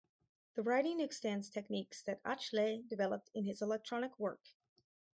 The writing extends techniques that Atchley developed in his electronic work.